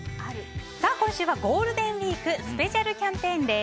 今週はゴールデンウィークスペシャルキャンペーンです。